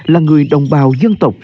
chín mươi chín là người đồng bào dân tộc